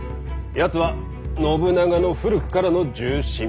やつは信長の古くからの重臣。